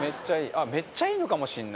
「めっちゃいいのかもしれない」